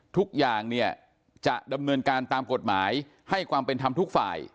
ทุกอย่างเนี่ยจะดำเนินการตามกฎหมายให้ความเป็นธรรมทุกฝ่าย